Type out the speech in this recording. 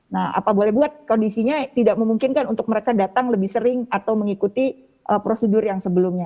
nah apa boleh buat kondisinya tidak memungkinkan untuk mereka datang lebih sering atau mengikuti prosedur yang sebelumnya